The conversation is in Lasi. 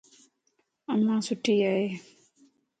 امان سٺي ائي.